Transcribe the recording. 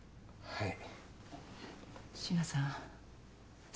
はい。